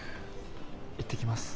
行ってきます。